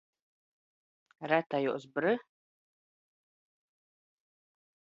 Retajos br?